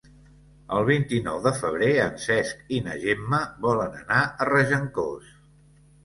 El vint-i-nou de febrer en Cesc i na Gemma volen anar a Regencós.